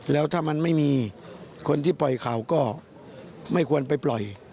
แล้วถ้ามันไม่มีคนที่ปล่อยข่าวก็ไม่ควรไปปล่อย